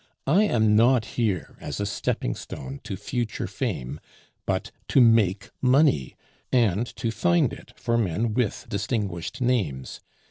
I am not here as a stepping stone to future fame, but to make money, and to find it for men with distinguished names.